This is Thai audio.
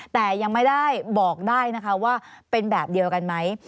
แต่ยังไม่ได้บอกได้นะคะว่าเป็นแบบเดียวกันไหม